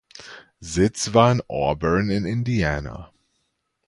Sitz war in Auburn in Indiana.